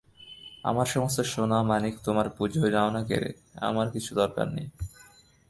আমার সমস্ত সোনা-মানিক তোমার পুজোয় নাও-না কেড়ে, আমার কিছুই দরকার নেই।